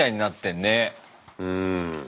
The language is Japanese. うん。